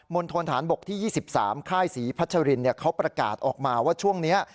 ณฑนฐานบกที่๒๓ค่ายศรีพัชรินเขาประกาศออกมาว่าช่วงนี้